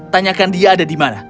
tanyakan dia ada di mana